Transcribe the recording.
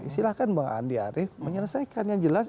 silahkan bang andi arief menyelesaikannya jelas